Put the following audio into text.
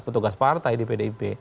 petugas partai di pdip